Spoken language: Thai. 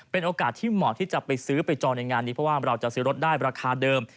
เป็นโอกาสที่เหมาะที่จะไปซื้อไปจองในงานนี้เพราะว่าเราจะซื้อรถได้ราคาเดิม